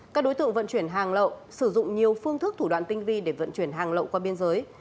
các đối tượng vận chuyển hàng lậu sử dụng nhiều phương thức thủ đoạn tinh vi để vận chuyển hàng lậu qua biên giới